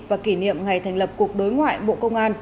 và kỷ niệm ngày thành lập cục đối ngoại bộ công an